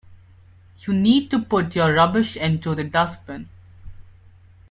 You need to put your rubbish into the dustbin